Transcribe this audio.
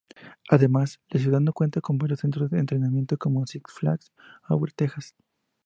Además, la ciudad cuenta con varios centros de entretenimiento como "Six Flags Over Texas.